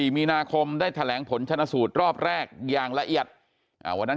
มีนาคมได้แถลงผลชนะสูตรรอบแรกอย่างละเอียดวันนั้น